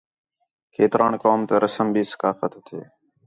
کھیتران قوم تا رسم بھی ثقافت ہتھے